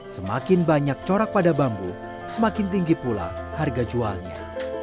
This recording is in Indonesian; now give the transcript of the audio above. semakin banyak corak pada bambu semakin tinggi pula harga jualnya